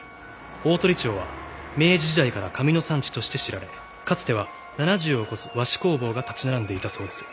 大鳥町は明治時代から紙の産地として知られかつては７０を超す和紙工房が立ち並んでいたそうです。